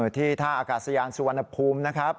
ที่ท่าอากาศยานสุวรรณภูมินะครับ